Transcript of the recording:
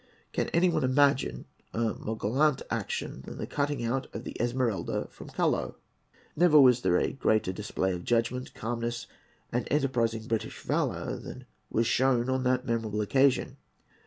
Can any one imagine a more gallant action than the cutting out of the Esmeralda from Callao? Never was there a greater display of judgment, calmness, and enterprising British valour than was shown on that memorable occasion.